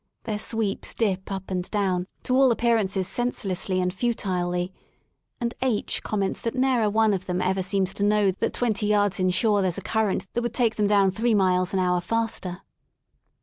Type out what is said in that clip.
Their sweeps dip up and down, to all ' appearances senselessly and futilely, and H com ments that ne'er a one of them ever seems to know that twenty yards in shore there 's a current that would take them down three miles an hour faster.